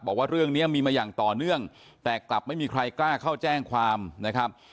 บอกว่าเรื่องนี้มีมาอย่างต่อเนื่องแต่กลับไม่มีใครกล้าเข้าแจ้งความนะครับ